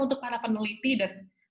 untuk para peneliti dan